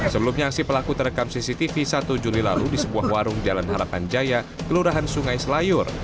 sebelumnya aksi pelaku terekam cctv satu juli lalu di sebuah warung jalan harapan jaya kelurahan sungai selayur